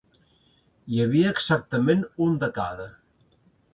Hi havia exactament un de cada.